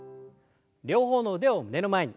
両方の腕を胸の前に。